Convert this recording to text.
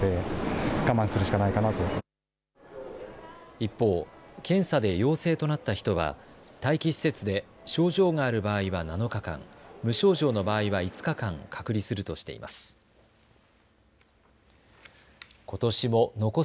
一方、検査で陽性となった人は待機施設で症状がある場合は７日間無症状の場合は５日間隔離するとしています。